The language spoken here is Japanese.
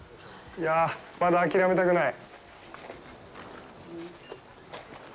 いやぁ、まだ諦めたくない！